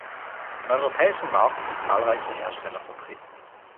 Im Europäischen Markt sind zahlreiche Hersteller vertreten.